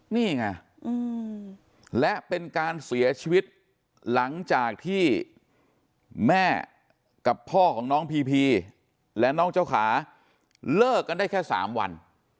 นี่ไงและเป็นการเสียชีวิตหลังจากที่แม่กับพ่อของน้องพีพีและน้องเจ้าขาเลิกกันได้แค่๓วัน